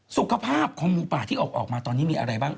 สุขภาพของหมูป่าที่ออกมาตอนนี้มีอะไรบ้าง